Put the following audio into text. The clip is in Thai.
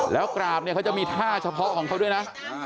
แล้วกราบเนี่ยเขาจะมีท่าเฉพาะของเขาด้วยนะ